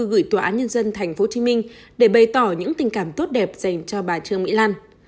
gửi tòa án nhân dân tp hcm để bày tỏ những tình cảm tốt đẹp dành cho bà trương mỹ lan